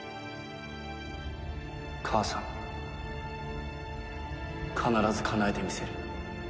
母さん必ずかなえてみせる。